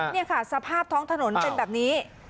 นี่ค่ะสภาพท้องถนนเป็นแบบนี้